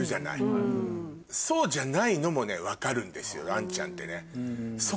杏ちゃんってね。